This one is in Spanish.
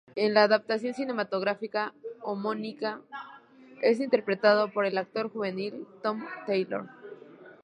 En la adaptación cinematográfica homónima es interpretado por el actor juvenil Tom Taylor.